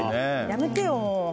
やめてよ。